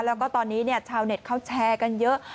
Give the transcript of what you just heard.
แล้วก็ตอนนี้ชาวเน็ตเขาแชร์กันเยอะ